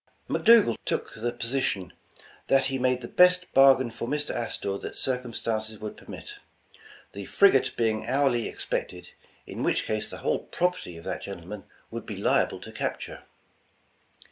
Mc Dougal took the position *Hhat he made the best bar gain for Mr. Astor that circumstances would permit; the frigate being hourly expected, in which case the whole property of that gentleman would be liable to capture.